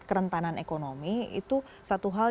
kerentanan ekonomi itu satu hal